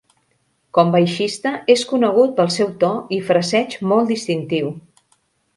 Com baixista, és conegut pel seu to i fraseig molt distintiu.